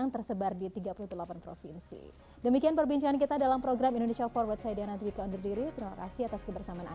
terima kasih pak